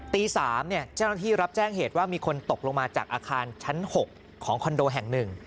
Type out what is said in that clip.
ตี๓เจ้าหน้าที่รับแจ้งเหตุว่ามีคนตกลงมาจากอาคารชั้น๖ของคอนโดแห่ง๑